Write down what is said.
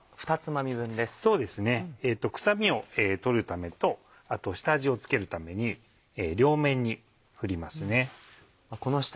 臭みを取るためとあと下味を付けるために両面に振りますね。